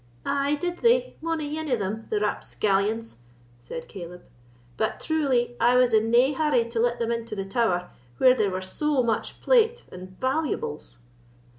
"Ay did they, mony ane of them, the rapscallions!" said Caleb; "but truly I was in nae hurry to let them into the Tower, where there were so much plate and valuables."